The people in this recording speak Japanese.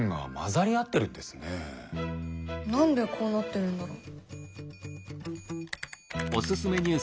何でこうなってるんだろう？